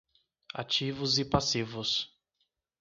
Ativos e passivos